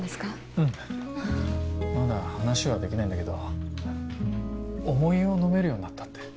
うんまだ話はできないんだけど重湯を飲めるようになったって。